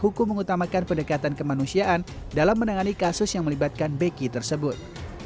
hukum mengutamakan pendekatan kemanusiaan dalam menangani kasus yang melibatkan beki tersebut